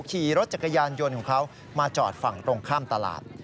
ขี่รถจักรยานยนต์ของเขามาจอดฝั่งตรงข้ามตลาด